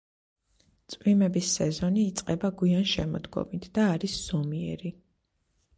წვიმების სეზონი იწყება გვიან შემოდგომით და არის ზომიერი.